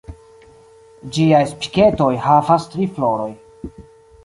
Ĝiaj Spiketoj havas tri floroj.